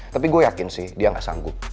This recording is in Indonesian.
tapi gue yakin sih dia nggak sanggup